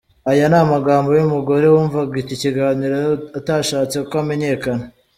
Aya ni amagambo y’umugore wumvaga iki kiganiro utashatse ko amenyekana.